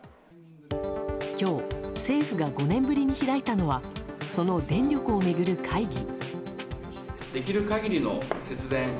今日、政府が５年ぶりに開いたのはその電力を巡る会議。